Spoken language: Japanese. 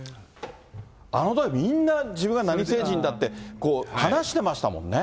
あのとき、みんな自分が何星人だって、話してましたもんね。